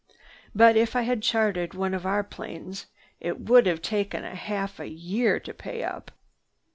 "But if I had chartered one of our own planes, it would have taken half a year to pay up."